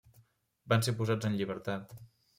Van ser posats en llibertat.